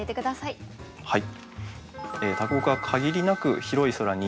はい。